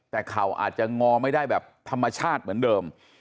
แต่เข่าอาจจะงอไม่ได้แบบธรรมชาติเหมือนเดิม